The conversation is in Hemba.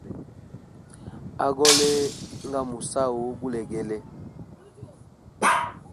Agole nga musahu gulegele.